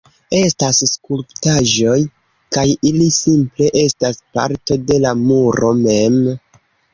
Estas skulptaĵoj kaj ili simple estas parto de la muro mem